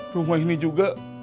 rumah ini juga